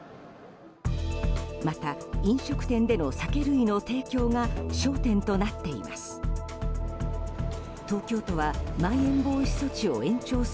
また、飲食店での酒類の提供が焦点となっています。